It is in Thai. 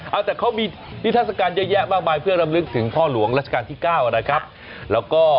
เอาแต่เขามีฤทธาสการเยอะแยะมากเพ้อรำลึกถึงพ่อหลวงรัชกาลที่๙แล้วก็